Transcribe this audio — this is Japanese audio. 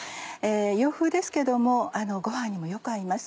洋風ですけどもご飯にもよく合います。